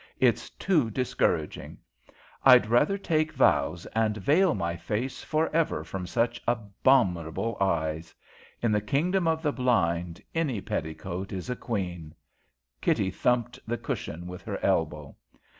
It's too discouraging. I'd rather take vows and veil my face for ever from such abominable eyes. In the kingdom of the blind any petticoat is a queen." Kitty thumped the cushion with her elbow.